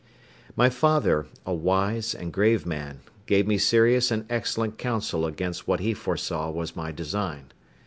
My father, a wise and grave man, gave me serious and excellent counsel against what he foresaw was my design.